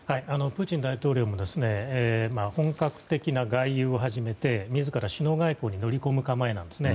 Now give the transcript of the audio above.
プーチン大統領も本格的な外遊を始めて自ら首脳外交で乗り込む構えです。